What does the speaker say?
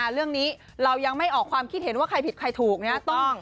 เรื่องนี้เรายังไม่ออกความคิดเห็นว่าใครผิดใครถูก